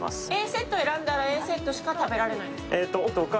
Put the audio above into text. Ａセットを選んだら、Ａセットしか食べられないんですか？